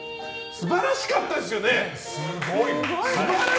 素晴らしかったですよね？